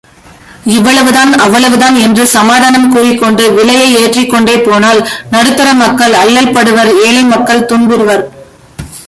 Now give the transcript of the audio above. இவ்வளவுதான் அவ்வளவுதான் என்று சமாதானம் கூறிக்கொண்டு விலையை ஏற்றிக்கொண்டே போனால் நடுத்தர மக்கள் அல்லற்படுவர் ஏழை மக்கள் துன்புறுவர்.